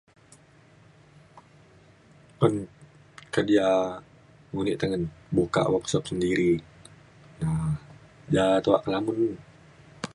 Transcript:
Un kerja mudik tengen buka workshop sendiri na ja tuak pengamun